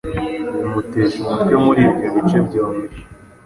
bimutesha umutwe muri ibyo bice byombi